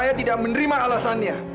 saya tidak menerima alasannya